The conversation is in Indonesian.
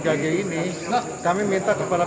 kg ini kami minta kepada